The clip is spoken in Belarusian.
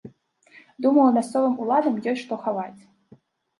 Думаю, мясцовым уладам ёсць што хаваць.